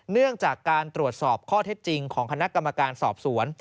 เนื่องจากการตรวจสอบข้อเท็จจริงของคณะกรรมการสอบสวน